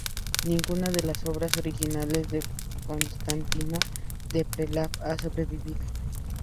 Ninguna de las obras originales de Constantino de Preslav ha sobrevivido.